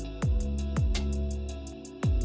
kepala penelitian bintang